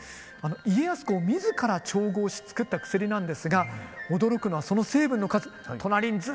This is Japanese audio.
家康自ら調合し作った薬なんですが驚くのはその成分の数隣にずらっと並んでますよね。